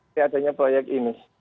keadanya proyek ini